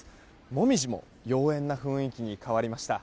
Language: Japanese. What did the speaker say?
モミジも妖艶な雰囲気に変わりました。